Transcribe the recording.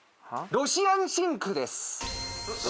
ロシアンシンク？